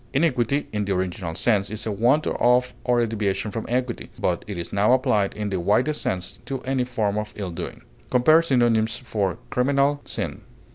Iniquity, in the original sense, is a want of or a deviation from equity; but it is now applied in the widest sense to any form of ill doing. Compare synonyms for CRIMINAL; SIN.